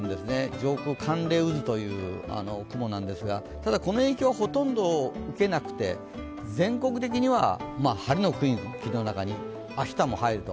上空、寒冷渦という雲なんですが、この影響、ほとんど受けなくて全国的には晴れの区域の中に明日も入ると。